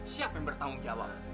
siapa yang bertanggung jawab